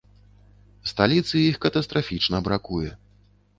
Сталіцы іх катастрафічна бракуе.